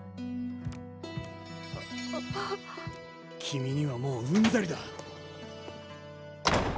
君にはもううんざりだ！